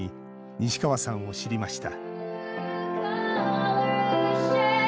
西川さんを知りました。